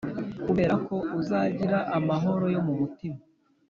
kuberako uzagira amahoro yo mumutima.